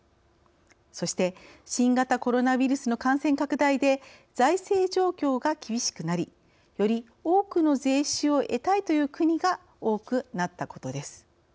そして新型コロナウイルスの感染拡大で財政状況が厳しくなりより多くの税収を得たいという国が多くなったことです。